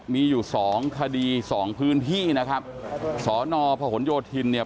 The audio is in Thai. มีอยู่สองคดีสองพื้นที่นะครับสอนอพหนโยธินเนี่ย